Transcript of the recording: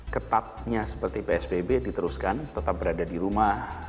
ketatnya seperti psbb diteruskan tetap berada di rumah